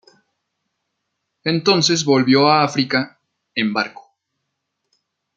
Entonces volvió a África en barco.